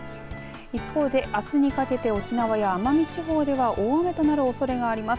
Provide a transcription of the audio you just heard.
一方であすにかけて沖縄や奄美地方では大雨となるおそれがあります。